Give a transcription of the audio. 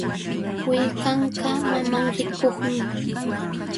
Willkanqa mamanrikuqmi.